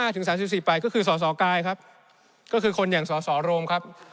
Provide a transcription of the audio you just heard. ถึง๓๔ไปก็คือสสกายครับก็คือคนอย่างสสโรมครับ